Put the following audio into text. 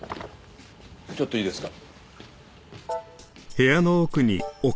ちょっといいですか？